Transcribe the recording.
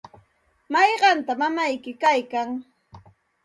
¿mayqantaq mamayki kaykan?